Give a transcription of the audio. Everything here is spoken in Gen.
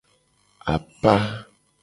Apa.